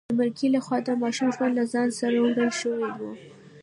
د مرګي لخوا د ماشوم ژوند له ځان سره وړل شوی و.